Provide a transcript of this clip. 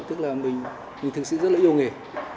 tức là mình thực sự rất là yêu nghề